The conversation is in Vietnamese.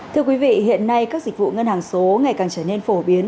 thưa quý vị hiện nay các dịch vụ ngân hàng số ngày càng trở nên phổ biến